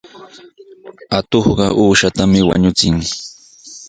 Atuqqa uushatami wañuchin.